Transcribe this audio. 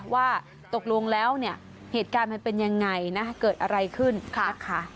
ว่าตกลงแล้วเนี่ยเหตุการณ์มันเป็นยังไงนะเกิดอะไรขึ้นนะคะ